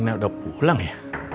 apa karuna udah pulang ya